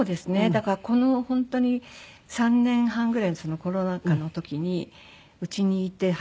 だからこの本当に３年半ぐらいコロナ禍の時にうちにいて始めた事が。